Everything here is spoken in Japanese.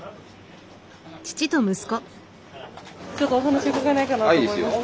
ちょっとお話伺えないかなと思いまして。